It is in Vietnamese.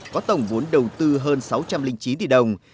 có tổng vốn đầu tư hơn sáu trăm linh chín tỷ đồng